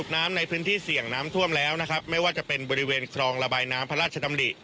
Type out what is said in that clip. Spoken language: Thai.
น้ำในพื้นที่เสี่ยงน้ำท่วมแล้วนะครับไม่ว่าจะเป็นบริเวณครองระบายน้ำพระราชดำริ